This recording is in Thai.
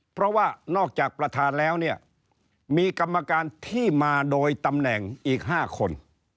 เพราะว่านอกจากประธานแล้วเนี่ยมีกรรมการที่มาโดยตำแหน่งอีก๕คน